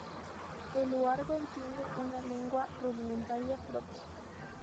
El huargo entiende una lengua rudimentaria propia.